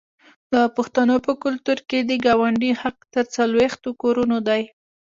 د پښتنو په کلتور کې د ګاونډي حق تر څلوېښتو کورونو دی.